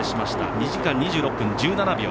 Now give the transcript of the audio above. ２時間２６分１７秒。